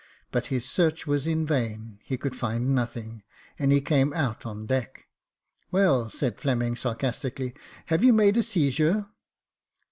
But his search was in vain ; he could find nothing, and he came out on the deck. "Well," said Fleming, sarcastically, "have you made a seizure